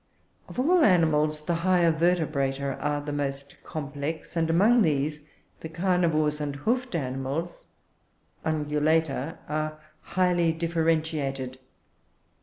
Of all animals the higher Vertebrata are the most complex; and among these the carnivores and hoofed animals (Ungulata) are highly differentiated.